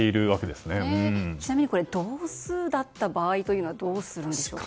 ちなみに同数だった場合はどうするんでしょうか。